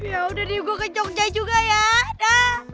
ya udah deh gue ke jogja juga ya da